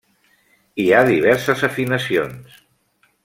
Hi ha diverses afinacions.